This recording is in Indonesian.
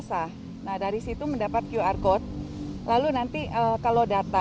sudah disudah diafsar lalu jadi lunch sabun ya